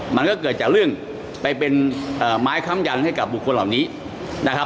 มันก็เกิดจากเรื่องไปเป็นไม้ค้ำยันให้กับบุคคลเหล่านี้นะครับ